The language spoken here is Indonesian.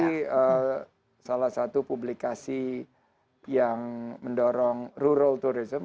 jadi salah satu publikasi yang mendorong rural tourism